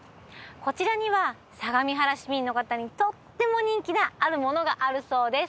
こちらには相模原市民の方にとっても人気なあるものがあるそうです